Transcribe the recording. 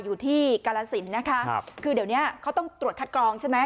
อยู่ที่กาลสินนะคะครับคือเดี๋ยวเนี้ยเขาต้องตรวจคัดกรองใช่ไหม